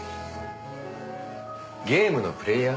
ゲームのプレーヤー？